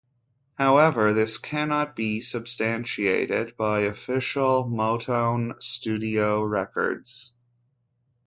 However, this cannot be substantiated by official Motown studio records.